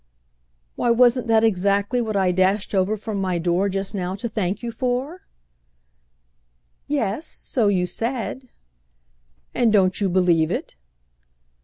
"Why, wasn't that exactly what I dashed over from my door just now to thank you for?" "Yes; so you said." "And don't you believe it?"